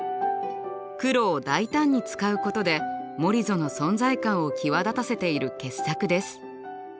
黒を大胆に使うことでモリゾの存在感を際立たせている傑作です。